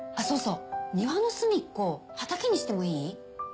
そうそう庭の隅っこ畑にしてもいい？